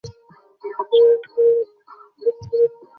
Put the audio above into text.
তিনি ধীরে ধীরে পণ্ডিত এবং লেখক হিসেবে নিজেকে গড়ে তুলেন।